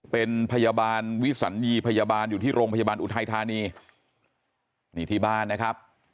เป็นพยาบาลวิสัญญีพยาบาลอยู่ที่โรงพยาบาลอุทัยธานีนี่ที่บ้านนะครับ